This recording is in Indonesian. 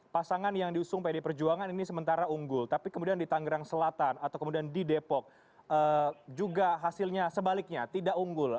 pasangan yang diusung pd perjuangan ini sementara unggul tapi kemudian di tangerang selatan atau kemudian di depok juga hasilnya sebaliknya tidak unggul